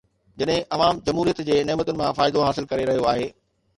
جڏهن عوام جمهوريت جي نعمتن مان فائدو حاصل ڪري رهيو آهي.